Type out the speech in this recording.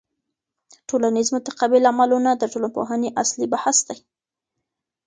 ټولنیز متقابل عملونه د ټولنپوهني اصلي بحث دی.